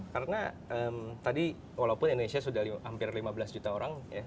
karena tadi walaupun indonesia sudah hampir lima belas juta orang